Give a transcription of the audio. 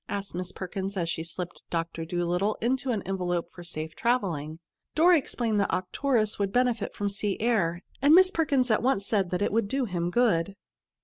asked Miss Perkins as she slipped "Doctor Dolittle" into an envelope for safe traveling. Dora explained that Arcturus would benefit from sea air, and Miss Perkins at once said that it would do him good.